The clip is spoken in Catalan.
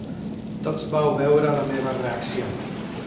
Tots vau veure la meva reacció.